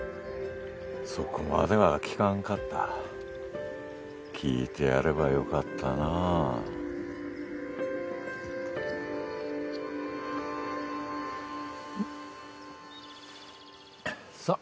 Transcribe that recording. そこまでは聞かんかった聞いてやればよかったなあさあ